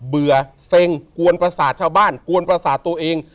เบื่อเซ็งกวนประสาทชาวบ้านกวนประสาทตัวเอง